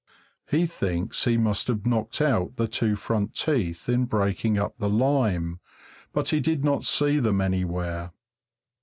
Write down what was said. He thinks he must have knocked out the two front teeth in breaking up the lime, but he did not see them anywhere.